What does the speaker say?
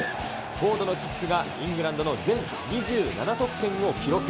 フォードのキックがイングランドの全２７得点を記録。